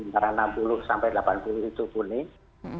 antara enam puluh sampai delapan puluh itu kuning